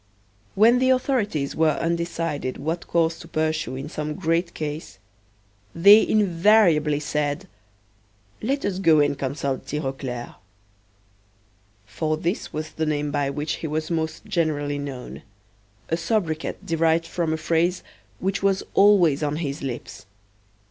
When the authorities were undecided what course to pursue in some great case, they invariably said: "Let us go and consult Tirauclair." For this was the name by which he was most generally known: a sobriquet derived from a phrase which was always on his lips.